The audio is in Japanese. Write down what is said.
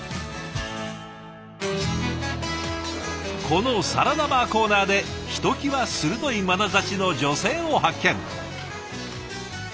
このサラダバーコーナーでひときわ鋭いまなざしの女性を発見。